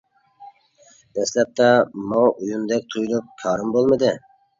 دەسلەپتە ماڭا ئويۇندەك تۇيۇلۇپ كارىم بولمىدى.